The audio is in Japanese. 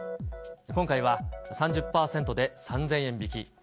今回は３０％で３０００円引き。